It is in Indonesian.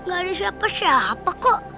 gak ada siapa siapa kok